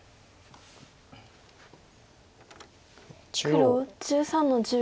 黒１３の十。